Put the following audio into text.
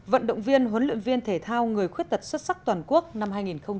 vận động viên huấn luyện viên thể thao người khuyết tật xuất sắc toàn quốc năm hai nghìn hai mươi